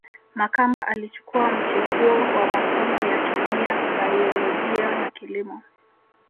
Makamba alichukua mchepuo wa masomo ya kemia baiolojia na kilimo